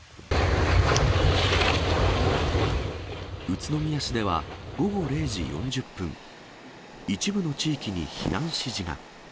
宇都宮市では午後０時４０分、一部の地域に避難指示が。